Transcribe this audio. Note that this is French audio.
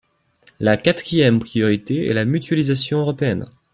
La quatrième priorité est la mutualisation européenne.